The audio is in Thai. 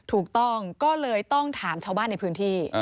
ถูกต้องก็เลยต้องถามชาวบ้านในพื้นที่